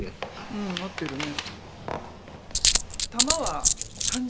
うん合ってるね。